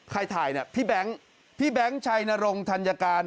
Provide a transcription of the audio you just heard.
ถ่ายเนี่ยพี่แบงค์พี่แบงค์ชัยนรงธัญการ